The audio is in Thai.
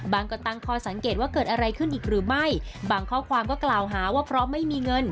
ก็ตั้งข้อสังเกตว่าเกิดอะไรขึ้นอีกหรือไม่บางข้อความก็กล่าวหาว่าเพราะไม่มีเงิน